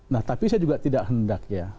nah tapi saya juga tidak hendak ya